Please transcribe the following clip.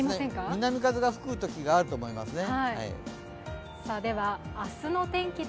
南風が吹くときがあると思いますね。